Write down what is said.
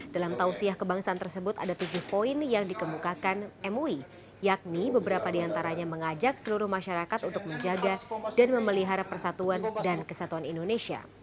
dalam tausiah kebangsaan tersebut ada tujuh poin yang dikemukakan mui yakni beberapa diantaranya mengajak seluruh masyarakat untuk menjaga dan memelihara persatuan dan kesatuan indonesia